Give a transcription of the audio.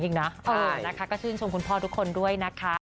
จริงนะนะคะก็ชื่นชมคุณพ่อทุกคนด้วยนะคะ